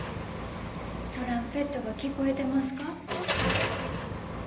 トランペットが聴こえてますか？